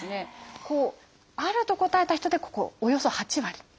「ある」と答えた人でここおよそ８割。